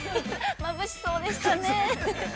◆まぶしそうでしたね。